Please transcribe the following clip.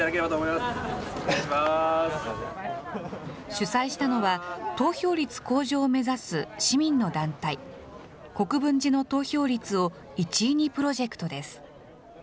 主催したのは、投票率向上を目指す市民の団体、国分寺の投票率を１位にプロジェクトです。